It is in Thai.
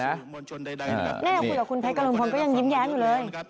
แน่อยากคุยกับคุณเพชรกรุณพลก็ยังยิ้มแย้มอยู่เลย